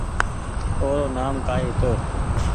او رو نآم ڪآئي هيتو